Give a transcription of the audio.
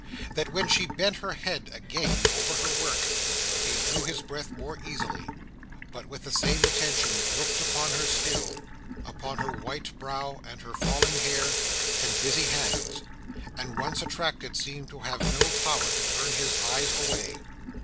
That when she bent her head again over her work, he drew his breath more easily, but with the same attention looked upon her still—upon her white brow and her falling hair, and busy hands; and once attracted, seemed to have no power to turn his eyes away!